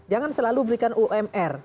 jangan selalu berikan umr